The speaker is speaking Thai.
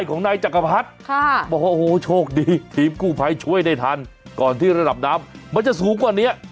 โอ้โหโหโชคดีทีมคู่ภัยช่วยได้ทันก่อนที่ระดำนำมันจะสูงกว่านี้